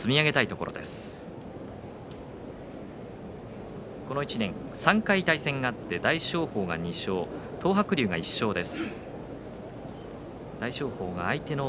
この１年、３回対戦があって大翔鵬２勝、東白龍１勝です。